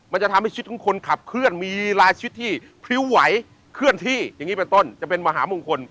มันจะทำให้ชีวิตของคนขับเคลื่อนมีรายชิดที่พริ้วไหวเคลื่อนที่อย่างนี้เป็นต้นจะเป็นมหามงคล